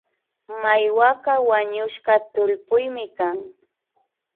Maiwaka wañushka tullpuymi kan